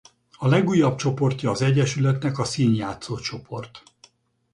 A legújabb csoportja az egyesületnek a színjátszó csoport.